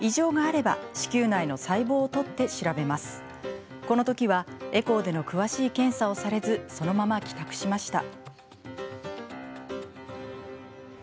一般的にこのときはエコーでの詳しい検査をされずそのまま帰宅しました。